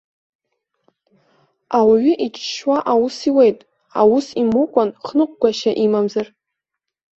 Ауаҩы иҽшьуа аус иуеит, аус имукәан хныҟәгашьа имамзар.